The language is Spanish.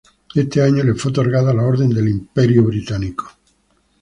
Ese año, le fue otorgada la Orden del Imperio Británico.